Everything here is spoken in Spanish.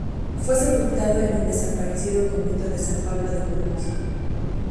Fue sepultado en el desaparecido convento de San Pablo de Burgos.